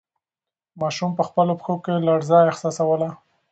ماشوم په خپلو پښو کې لړزه احساسوله.